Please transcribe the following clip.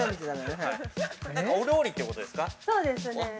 ◆そうですね。